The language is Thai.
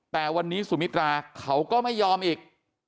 แต่วันนี้สุมิตราเขาก็ไม่ยอมอีก